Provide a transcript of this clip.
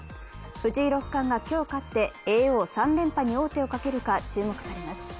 藤井六冠が今日勝って叡王３連覇に王手をかけるか、注目されます。